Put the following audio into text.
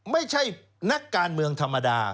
ไม่ใช่นักการเมืองธรรมดา